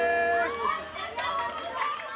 ありがとうございます！